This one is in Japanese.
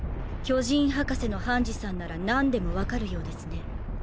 巨人博士のハンジさんなら何でもわかるようですね。